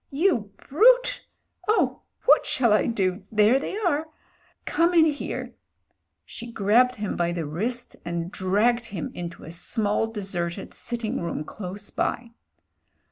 "You brute! Oh! what shall I do?— there they are. Come in here." She grabbed him by the wrist and dragged him into a small deserted sitting room close by.